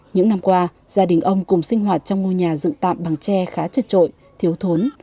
những năm qua gia đình ông cùng sinh hoạt trong ngôi nhà dựng tạm bằng tre khá chật trội thiếu thốn